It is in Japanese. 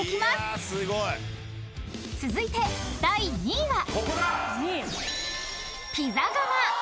［続いて第２位は］